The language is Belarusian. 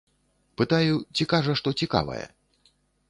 Пытаю, ці кажа, што цікавае?